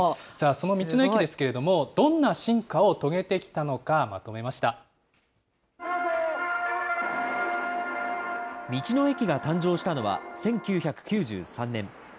その道の駅ですけれども、どんな進化を遂げてきたのか、まと道の駅が誕生したのは１９９３年。